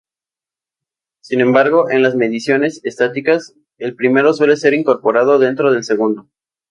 Sin embargo, en las mediciones estadísticas, el primero suele ser incorporado dentro del segundo.